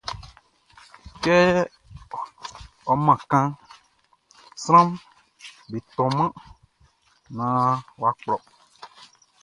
Kɛ ɔ man kanʼn, sranʼm be toman naan wʼa kplɔ.